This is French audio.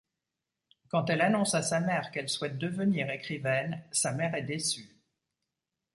Quand elle annonce à sa mère qu'elle souhaite devenir écrivaine, sa mère est déçue.